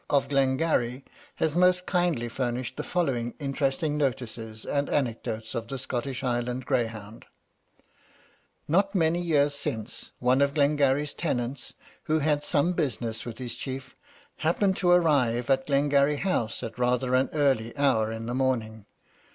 of Glengarry, has most kindly furnished the following interesting notices and anecdotes of the Scottish Highland greyhound: "Not many years since one of Glengarry's tenants, who had some business with his chief, happened to arrive at Glengarry House at rather an early hour in the morning.